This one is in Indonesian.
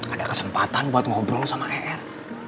ada kesempatan buat ngobrol sama er